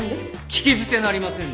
聞き捨てなりませんね。